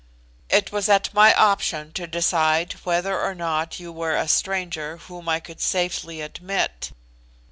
It was at my option to decide whether or not you were a stranger whom I could safely admit.